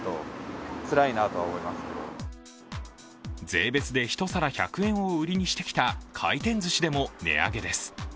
税別で１皿１００円を売りにしてきた回転ずしでも値上げです。